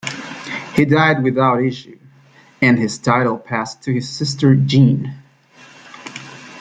He died without issue, and his title passed to his sister Jean.